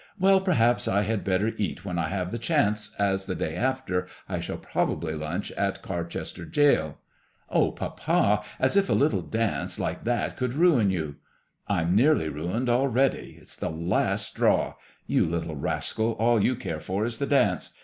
" Well, perhaps I had better eat when I have the chance, as the day after I shall probably lunch in Carchester gaoL" " Oh, papa I as if a little dance like that could ruin you." 'Tm nearly ruined already. It's the last straw. You little rascal I All you care for is the dance.